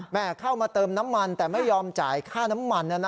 เข้ามาเติมน้ำมันแต่ไม่ยอมจ่ายค่าน้ำมัน